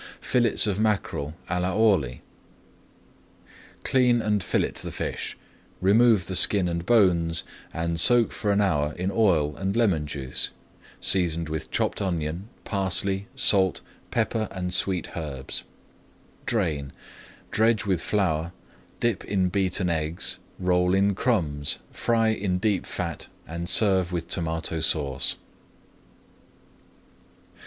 [Page 228] FILLETS OF MACKEREL À LA HORLY Clean and fillet the fish, remove the skin and bones and soak for an hour in oil and lemon juice, seasoned with chopped onion, parsley, salt, pepper, and sweet herbs. Drain, dredge with flour, dip in beaten eggs, roll in crumbs, fry in deep fat, and serve with Tomato Sauce.